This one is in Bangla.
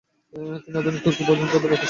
তিনি আধুনিক তুর্কি প্রজাতন্ত্রের প্রতিষ্ঠাতা।